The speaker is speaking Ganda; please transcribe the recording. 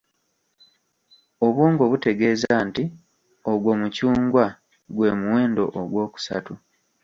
Obwongo butegeeza nti: "Ogwo mucungwa, gwe muwendo ogwokusatu.